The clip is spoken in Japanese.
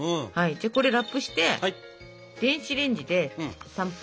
これラップして電子レンジで３分。